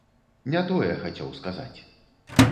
Не тое хацеў сказаць!